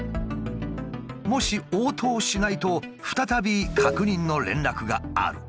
もし応答しないと再び確認の連絡がある。